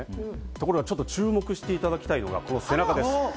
ところが、注目していただきたいのがこの背中です。